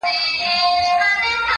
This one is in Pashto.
بيا تس ته سپكاوى كوي بدرنگه ككــرۍ _